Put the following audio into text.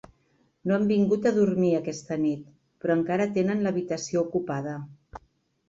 No han vingut a dormir, aquesta nit, però encara tenen l'habitació ocupada.